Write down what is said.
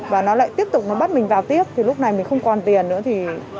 và nó lại tiếp tục nó bắt mình vào tiếp thì lúc này mình không còn tiền nữa thì